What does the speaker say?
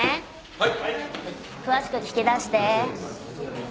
はい。